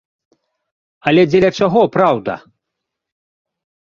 Але дзеля чаго праўда?